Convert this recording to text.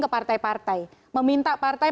ke partai partai meminta partai